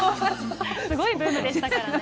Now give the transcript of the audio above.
すごいブームでしたからね。